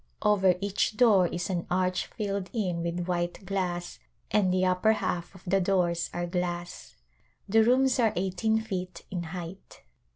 Over each door is an arch filled in with white glass and the upper half of the doors are glass. The rooms are eighteen feet in height.